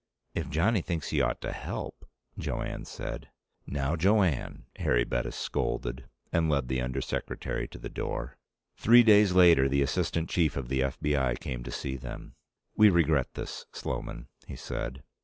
"If Johnny thinks he ought to help " Jo Anne said. "Now, Jo Anne," Harry Bettis scolded, and led the Under Secretary to the door. Three days later, the assistant chief of the F.B.I. came to see them. "We regret this, Sloman," he said.